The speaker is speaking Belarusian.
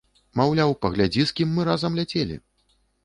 Маўляў, паглядзі з кім мы разам ляцелі.